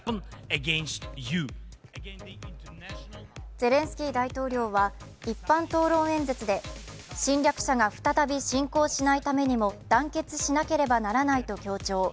ゼレンスキー大統領は一般討論演説で侵略者が再び侵攻しないためにも団結しなければならないと強調。